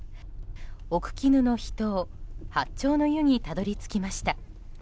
奥鬼怒の秘湯、八丁の湯にたどり着きました。